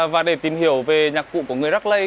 và để tìm hiểu về nhạc cụ của người rắc lây